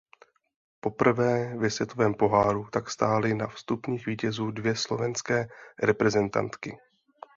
Poprvé ve světovém poháru tak stály na stupních vítězů dvě slovenské reprezentantky.